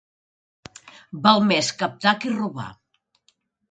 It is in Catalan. Val més captar que robar.